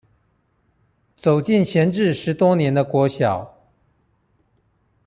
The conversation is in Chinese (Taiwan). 走進閒置十多年的國小